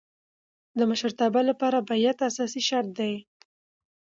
د مشرتابه له پاره بیعت اساسي شرط دئ.